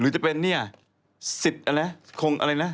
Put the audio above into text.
หรือจะเป็นเนี่ยสิทธิ์อะไรคงอะไรนะ